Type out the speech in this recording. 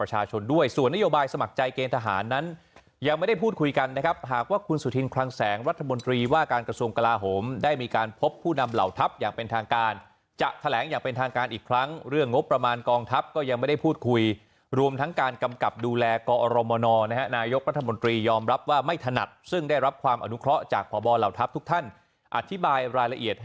หากว่าคุณสุธินคลังแสงรัฐมนตรีว่าการกระทรวงกระลาหมได้มีการพบผู้นำเหล่าทัพอย่างเป็นทางการจะแถลงอย่างเป็นทางการอีกครั้งเรื่องงบประมาณกองทัพก็ยังไม่ได้พูดคุยรวมทั้งการกำกับดูแลกรมนนรัฐมนตรียอมรับว่าไม่ถนัดซึ่งได้รับความอนุเคราะห์จากพลทัพทุกท่านอธิบายรายละเอียด